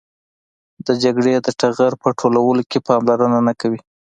د جګړې د ټغر په ټولولو کې پاملرنه نه کوي.